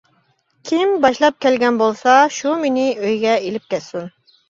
كىم باشلاپ كەلگەن بولسا شۇ مېنى ئۆيگە ئېلىپ كەتسۇن.